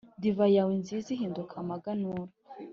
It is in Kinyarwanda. divayi yawe nziza ihinduka amaganura.